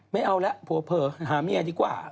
ไม่เอาละเผ้าเพลินหาเมี่ยดีกว่า